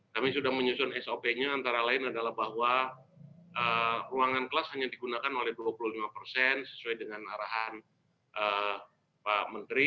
kami sudah menyusun sop nya antara lain adalah bahwa ruangan kelas hanya digunakan oleh dua puluh lima persen sesuai dengan arahan pak menteri